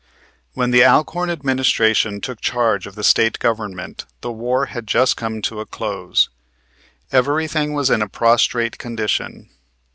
When the Alcorn administration took charge of the State Government the War had just come to a close. Everything was in a prostrate condition.